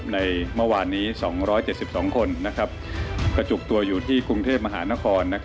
ในเมื่อวานนี้๒๗๒คนกระจุกตัวอยู่ที่กรุงเทพมหานคร